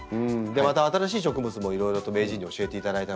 また新しい植物もいろいろと名人に教えていただいたので。